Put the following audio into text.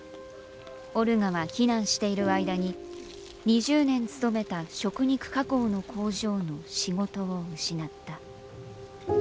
オルガは避難している間に２０年勤めた食肉加工の工場の仕事を失った。